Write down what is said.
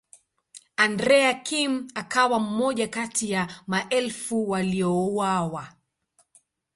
Andrea Kim akawa mmoja kati ya maelfu waliouawa.